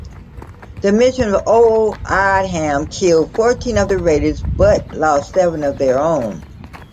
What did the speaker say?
The mission O’odham killed fourteen of the raiders but lost seven of their own.